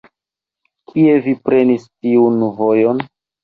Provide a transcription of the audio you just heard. Kie vi prenis tiun volon?